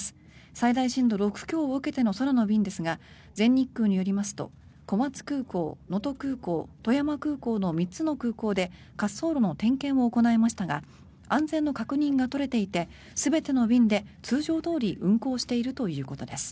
最大震度６強を受けての空の便ですが全日空によりますと小松空港、能登空港、富山空港の３つの空港で滑走路の点検を行いましたが安全の確認が取れていて全ての便で通常どおり運航しているということです。